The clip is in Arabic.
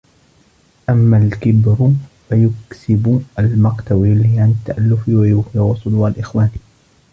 أَمَّا الْكِبْرُ فَيُكْسِبُ الْمَقْتَ وَيُلْهِي عَنْ التَّأَلُّفِ وَيُوغِرُ صُدُورَ الْإِخْوَانِ